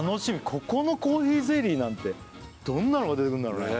ここのコーヒーゼリーなんてどんなのが出てくんだろうね？